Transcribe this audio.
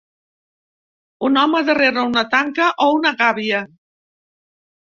Un home darrera una tanca o una gàbia.